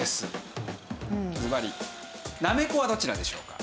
ずばりなめこはどちらでしょうか？